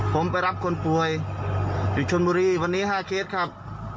ผมไปรับคนป่วยอยู่ชนบุรีวันนี้๕เคสครับ